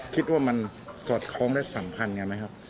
คิดว่ามันสอดคล้องและสัมพันธ์กันไหมครับ